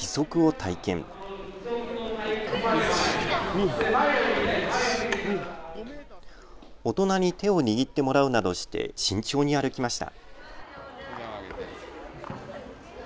大人に手を握ってもらうなどして慎重に歩きました。